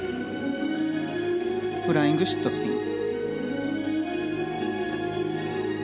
フライングシットスピン。